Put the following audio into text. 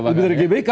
lebih dari gbk